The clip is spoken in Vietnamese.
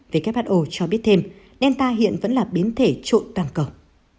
who cho biết thêm delta hiện vẫn là biến thể trội toàn cầu